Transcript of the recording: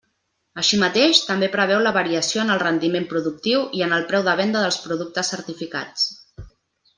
Així mateix, també preveu la variació en el rendiment productiu i en el preu de venda dels productes certificats.